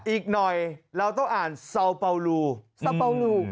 อีกหน่อยเราต้องอ่านเซาเบาโล